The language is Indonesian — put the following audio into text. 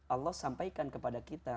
allah sampaikan kepada kita